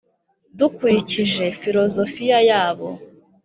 dukurikije filozofiya yabo.